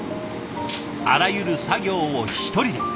あらゆる作業を一人で。